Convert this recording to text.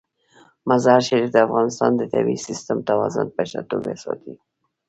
مزارشریف د افغانستان د طبعي سیسټم توازن په ښه توګه ساتي.